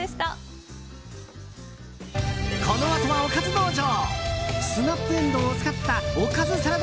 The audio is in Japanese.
このあとは、おかず道場！